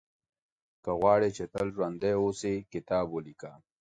• که غواړې چې تل ژوندی اوسې، کتاب ولیکه.